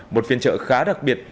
một phiên trợ khá đặc biệt